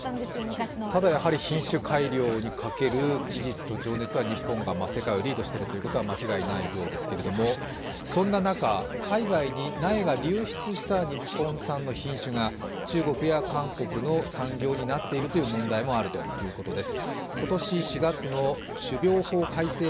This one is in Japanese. ただ、やはり品種改良にかける技術と情熱は日本が世界をリードしていることは間違いないようですけれどもそんな中、海外に苗が流出した日本産のものが中国や韓国の産業になっているという問題もあるということです。